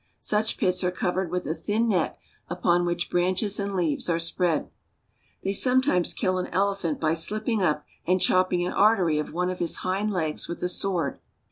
Such pits are covered with a thin net, upon which branches and leaves are spread. They sometimes kill an elephant by slipping up and chopping an artery of one of his hind legs with a sword.